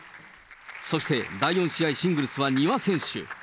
そして第４試合、シングルスは丹羽選手。